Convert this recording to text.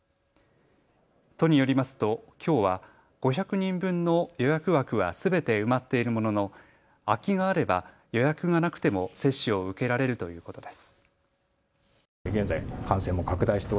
都によりますときょうは５００人分の予約枠はすべて埋まっているものの空きがあれば予約がなくても接種を受けられるということです。